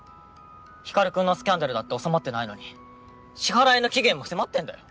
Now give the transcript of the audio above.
光君のスキャンダルだって収まってないのに支払いの期限も迫ってんだよ。